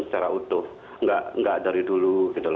secara utuh nggak dari dulu